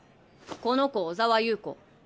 この子小沢優子。